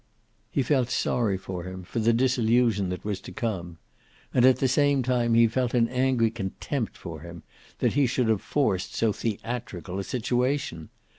He felt sorry for him, for the disillusion that was to come. And at the same time he felt an angry contempt for him, that he should have forced so theatrical a situation.